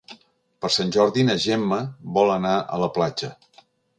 Per Sant Jordi na Gemma vol anar a la platja.